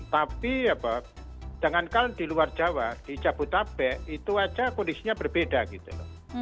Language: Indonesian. tapi jangankan di luar jawa di jabodetabek itu aja kondisinya berbeda gitu loh